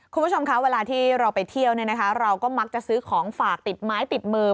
คุณผู้ชมคะเวลาที่เราไปเที่ยวเนี่ยนะคะเราก็มักจะซื้อของฝากติดไม้ติดมือ